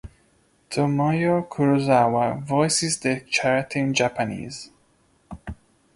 Tomoyo Kurosawa voices the character in Japanese.